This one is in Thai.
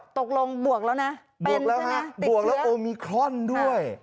ตกลงบวกแล้วนะติดเชื้อบวกแล้วโอมิครอนด้วย